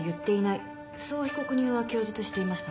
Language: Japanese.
そう被告人は供述していましたね。